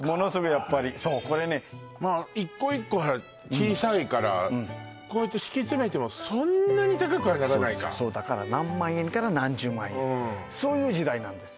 やっぱりそうこれねまあ一個一個が小さいからこうやって敷き詰めてもそんなに高くはならないかそうだから何万円から何十万円そういう時代なんです